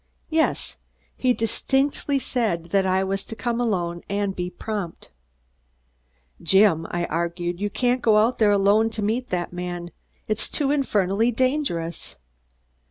"Yes. He distinctly said that I was to come alone and be prompt." "Jim," I argued, "you can't go out there alone to meet that man. It's too infernally dangerous."